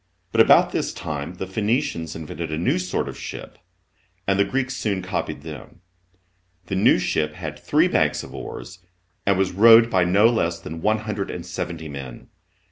But about this time the Phoenicians invented a new sort of ship, and the Greeks soon copied them. The new ship had three banks of oars, and was, rowed by no less than one hundred and seventy men.